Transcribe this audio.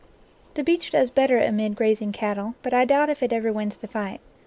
The beech does better amid grazing cattle, but I doubt if it ever wins the fight.